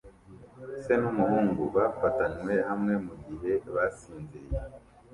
Se n'umuhungu bafatanywe hamwe mugihe basinziriye